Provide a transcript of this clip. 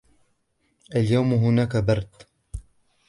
اليوم هناك برد.